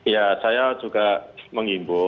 ya saya juga mengimbul